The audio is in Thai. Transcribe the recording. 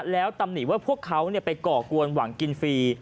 แล้วตำหนิว่าพวกเขาไปก่อกวนหวังกินฟรี